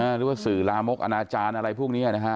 หรือว่าสื่อลามกอนาจารย์อะไรพวกนี้นะฮะ